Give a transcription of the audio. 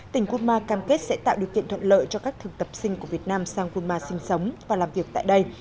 tỉnh gunma cam kết sẽ tạo điều kiện thuận lợi cho các thực tập sinh của việt nam sang gunma sinh sống và làm việc tại đây